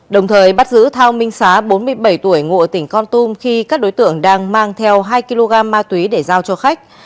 đồng thời bắt giữ thao minh sá bốn mươi bảy tuổi ngụ tỉnh con tum khi các đối tượng đang mang theo hai kg ma túy để giao cho khách